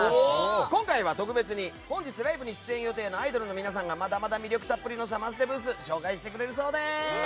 今回は特別に本日、ライブに出演予定のアイドルの皆さんがまだまだ魅力たっぷりのサマステブースを紹介してくれるそうです。